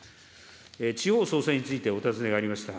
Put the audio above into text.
地方創生についてお尋ねがありました。